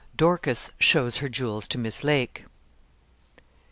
DORCAS SHOWS HER JEWELS TO MISS LAKE.